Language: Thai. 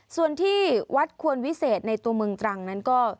ส่วนที่วัดควรวิเศษในตัวเมืองตรังนั้นก็